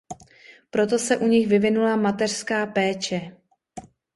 Proto se u nich vyvinula mateřská péče.